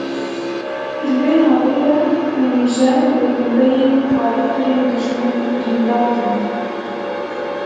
Di vê navê de Menîje bi bombeyên balafirên dijmin birîndar dibe.